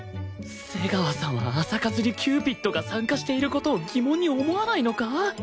瀬川さんは朝活にキューピッドが参加している事を疑問に思わないのか？